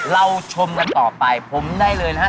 เราชมกันต่อไปผมได้เลยนะฮะ